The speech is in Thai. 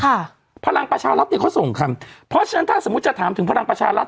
พลังประชารัฐเนี่ยเขาส่งคำเพราะฉะนั้นถ้าสมมุติจะถามถึงพลังประชารัฐ